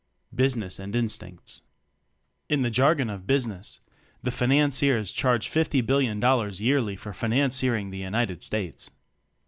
"Business" and Instincts. In the jargon of "Business," "the Financiers" "charge" fifty billion dol lars ($50,000,000,000) yearly for "fi nanciering" the United States.